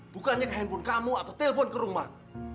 bukannya ke handphone kamu atau telepon ke rumah